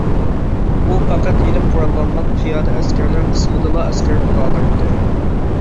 ئۇ پەقەت يېنىك قوراللانغان پىيادە ئەسكەرلەر قىسمىدىلا ئەسكەر بولالايتتى.